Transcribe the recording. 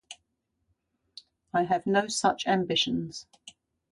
I have no such ambitions.